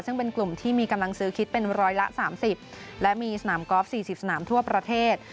ซึ่งเป็นกลุ่มที่มีกำลังซื้อคิดเป็นร้อยละ๓๐และมีสนามกอล์ฟ๔๐สนามทั่วประเทศ